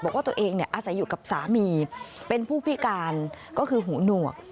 บอกว่าตัวเองอาศัยอยู่กับสามีเป็นผู้พิการก็คือหูหนวก